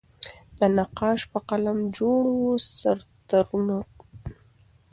د نقاش په قلم جوړ وو سر ترنوکه